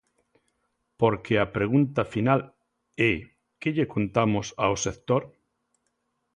Porque a pregunta final é: ¿que lle contamos ao sector?